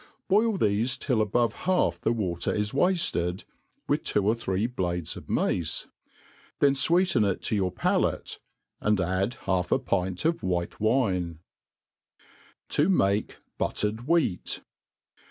Boil thefe till above half the water is wafted, with two or three blades of mace. Then iWeecen it to your palate, and add half a pint of white wine. i6o THE ART OF COOkERY To make Buitered tVheat.